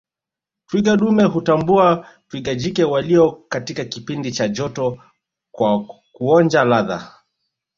Twiga dume hutambua twiga jike walio katika kipindi cha joto kwa kuonja ladha